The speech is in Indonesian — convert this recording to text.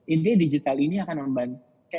inti digital ini akan membantu